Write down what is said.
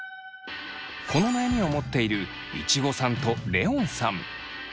この悩みを持っているいちごさんとレオンさん。